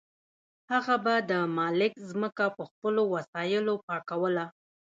هغه به د مالک ځمکه په خپلو وسایلو پاکوله.